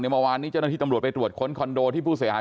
เมื่อวานนี้เจ้าหน้าที่ตำรวจไปตรวจค้นคอนโดที่ผู้เสียหาย